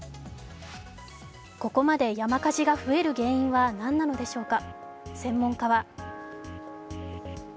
ここまで山火事が増える原因は何なのでしょうか？